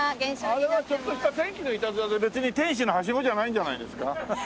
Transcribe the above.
あれはちょっとした天気のいたずらで別に天使のはしごじゃないんじゃないですか？